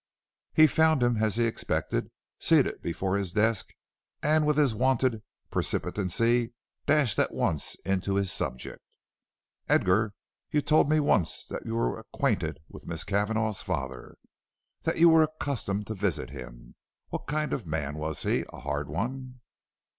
He found him as he expected, seated before his desk, and with his wonted precipitancy dashed at once into his subject. "Edgar, you told me once that you were acquainted with Miss Cavanagh's father; that you were accustomed to visit him. What kind of a man was he? A hard one?"